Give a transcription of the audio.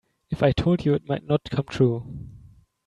If I told you it might not come true.